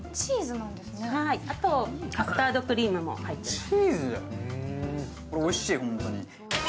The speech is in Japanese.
あとカスタードクリームも入ってます。